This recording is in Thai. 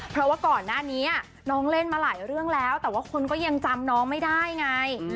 เพราะว่าก่อนหน้านี้น้องเล่นมาหลายเรื่องแล้วแต่ว่าคนก็ยังจำน้องไม่ได้ไง